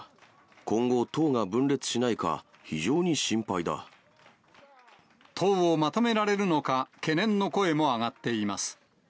今後、党が分裂しないか、非常に党をまとめられるのか、懸念の声も上がっています。